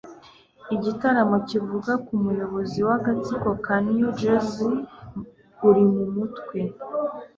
igitaramo kivuga ku muyobozi w'agatsiko ka new jersey uri mu mutwe